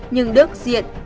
nhưng đức diện